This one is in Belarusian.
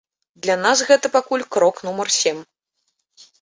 Для нас гэта пакуль крок нумар сем.